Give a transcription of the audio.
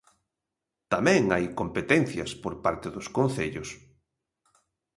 Tamén hai competencias por parte dos concellos.